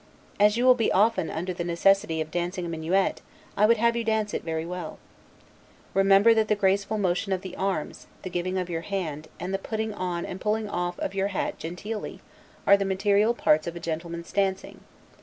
As you will be often under the necessity of dancing a minuet, I would have you dance it very well. Remember, that the graceful motion of the arms, the giving your hand, and the putting on and pulling off your hat genteelly, are the material parts of a gentleman's dancing.